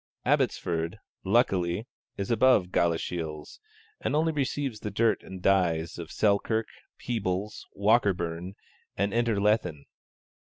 Abbotsford, luckily, is above Galashiels, and only receives the dirt and dyes of Selkirk, Peebles, Walkerburn, and Innerlethen.